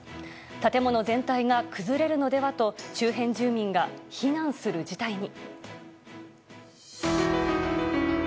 建物全体が崩れるのではと周辺住民が避難する事態に。